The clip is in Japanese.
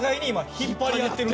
引っ張り合ってる。